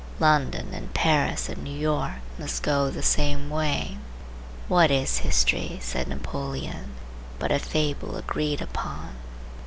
London and Paris and New York must go the same way. "What is history," said Napoleon, "but a fable agreed upon?"